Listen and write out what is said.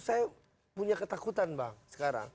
saya punya ketakutan bang sekarang